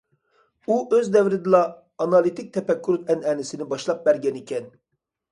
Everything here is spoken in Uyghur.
ئۇ ئۆز دەۋرىدىلا ئانالىتىك تەپەككۇر ئەنئەنىسىنى باشلاپ بەرگەنىكەن.